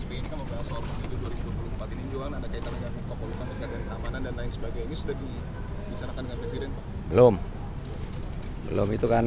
jualan anak anak yang terlalu kakul kakul kakul kakul dan lain sebagainya